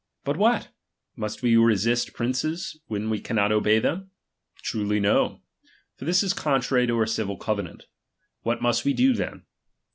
But what r Must we resist ■ princes, when we cannot obey them ? Truly, no ; for this is contrary to our civil covenaDt. What must we do then